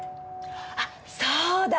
あっそうだ！